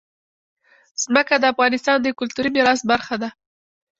ځمکه د افغانستان د کلتوري میراث برخه ده.